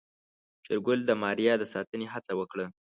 شېرګل د ماريا د ساتنې هڅه وکړه.